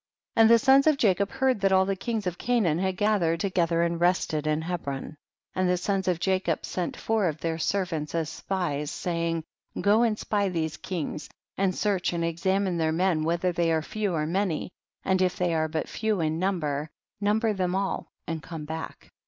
34. And the sons of Jacob heard that all the kings of Canaan had ga thered together and rested in Hebron, and the sons of Jacob sent four of their servants as spies, saying, go and spy these kings, and search and examine their men whether they are few or many, and if they are but few in number, number them all and come back.